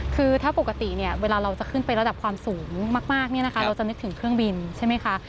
คือถ้าปกติเนี่ยเวลาเราจะขึ้นไประดับความสูงมากเนี่ยนะคะเราจะนึกถึงเครื่องบินใช่ไหมคะ